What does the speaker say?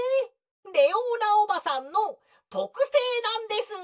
「レオーナおばさんのとくせいなんです！」。